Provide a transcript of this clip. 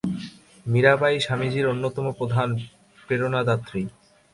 মীরাবাঈ স্বামীজীর অন্যতম প্রধান প্রেরণাদাত্রী।